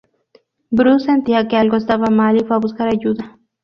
Bruce sentía que algo estaba mal y fue a buscar ayuda.